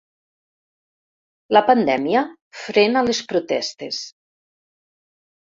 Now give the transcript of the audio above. La pandèmia frena les protestes.